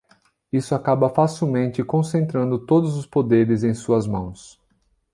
Isso acaba facilmente concentrando todos os poderes em suas mãos.